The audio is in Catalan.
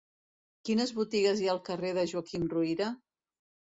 Quines botigues hi ha al carrer de Joaquim Ruyra?